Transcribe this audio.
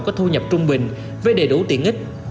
có thu nhập trung bình với đầy đủ tiện ích